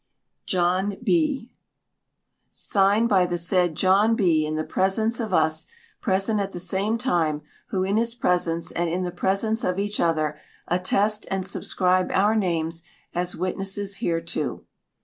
JOHN B . Signed by the said John B in the presence of us, present at the same time, who, in his presence, and in the presence of each other, attest and subscribe our names as witnesses hereto.